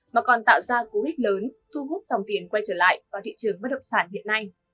mà còn tạo ra cú hích lớn thu hút dòng tiền quay trở lại vào thị trường bất động sản hiện nay